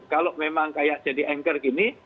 kalau memang kayak jadi anchor gini